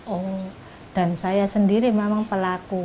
oh dan saya sendiri memang pelaku